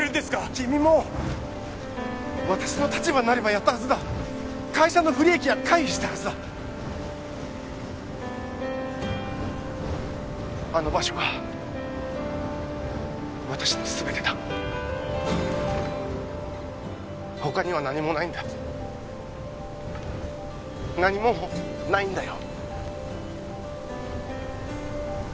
君も私の立場になればやったはずだ会社の不利益は回避したはずだあの場所が私のすべてだ他には何もないんだ何もないんだよ